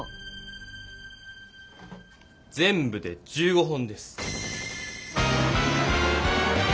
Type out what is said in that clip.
全部で１５本です。